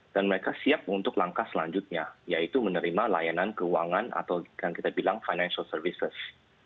dan mereka siap untuk langkah selanjutnya yaitu menerima layanan keuangan atau yang kita bilang financial services